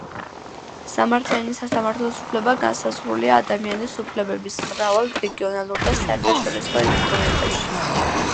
სამართლიანი სასამართლოს უფლება განსაზღვრულია ადამიანის უფლებების მრავალ რეგიონალურ და საერთაშორისო ინსტრუმენტებში.